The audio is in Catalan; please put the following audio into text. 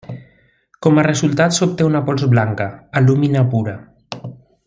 Com a resultat s’obté una pols blanca, alúmina pura.